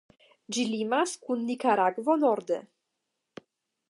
Ĝi limas kun Nikaragvo norde.